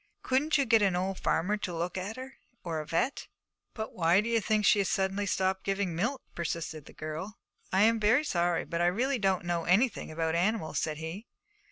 'Couldn't you get an old farmer to look at her, or a vet?' 'But why do you think she has suddenly stopped giving milk?' persisted the girl. 'I am very sorry, but I really don't know anything about animals,' said he.